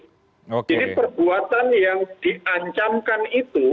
jadi perbuatan yang diancamkan itu